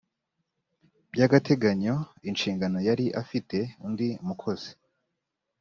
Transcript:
by agateganyo inshingano yari afite undi mukozi